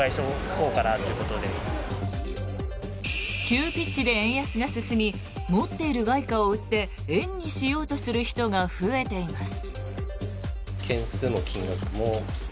急ピッチで円安が進み持っている外貨を売って円にしようとする人が増えています。